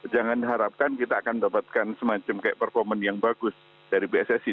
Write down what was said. jangan harapkan kita akan dapatkan semacam kayak performa yang bagus dari pssi